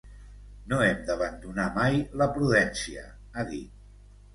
No hem d’abandonar mai la prudència, ha dit.